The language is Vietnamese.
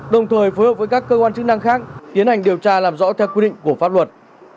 đồng thời phối hợp với các cơ quan chức năng khác tiến hành điều tra làm rõ theo quy định của pháp luật